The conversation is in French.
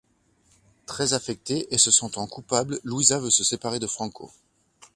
Très affectée et se sentant coupable, Luisa veut se séparer de Franco…